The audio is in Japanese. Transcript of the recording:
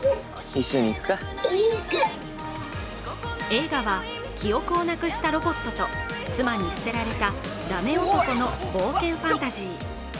映画は記憶をなくしたロボットと妻に捨てられた駄目男の冒険ファンタジー。